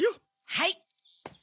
はい！